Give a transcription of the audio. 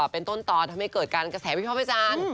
เป็นต้นตอนทำให้เกิดการกระแสพี่พ่อพ่อจาน